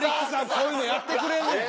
こういうのやってくれんねん。